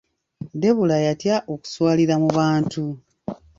Debula yatya okuswalira mu bantu.